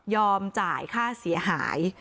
จ่ายค่าเสียหาย